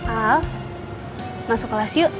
al masuk kelas yuk